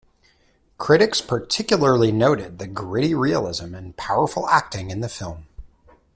Critics particularly noted the gritty realism and powerful acting in the film.